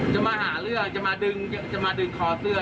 จะมาหาเรื่องจะมาดึงคอเสื้อ